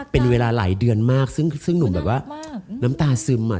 เป็นเวลาหลายเดือนมากซึ่งหนุ่มแบบว่าน้ำตาซึมอ่ะ